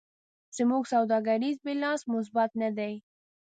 زموږ سوداګریز بیلانس مثبت نه دی.